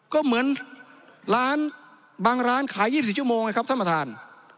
ก็เหมือนร้านบางร้านขาย๒๔ชั่วโมงนะครับท่านประธาน